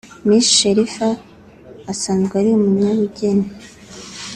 Miss Sharifa asanzwe ari umunyabugeni